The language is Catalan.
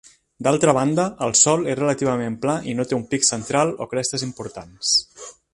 D'altra banda, el sòl és relativament pla i no té un pic central o crestes importants.